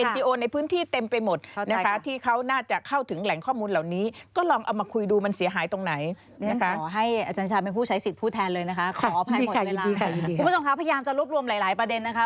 คุณผู้ชมคะพยายามจะรวบรวมหลายประเด็นนะคะ